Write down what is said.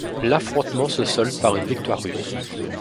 L'affrontement se solde par une victoire russe.